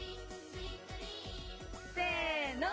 せの！